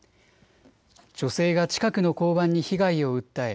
女性が近くの交番に被害を訴え